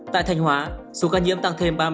tại thành hóa số ca nhiễm tăng thêm ba mươi hai ca